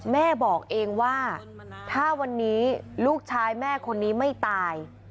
แม่บอกเองว่าถ้าวันนี้ลูกชายแม่คนนี้ไม่ตาย